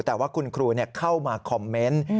แต่ว่าคุณครูเข้ามาคอมเมนต์